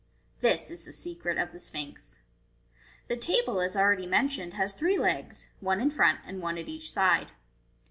This is the secret of the Sphinx. The table, as already mentioned, has three legs, one in front, and one at each side.